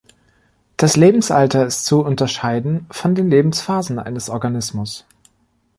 Das Lebensalter ist zu unterscheiden von den Lebensphasen eines Organismus.